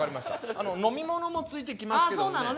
あの飲み物もついてきますけどもね